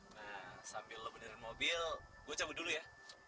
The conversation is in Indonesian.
nah sambil lo benerin mobil gue cabut dulu ya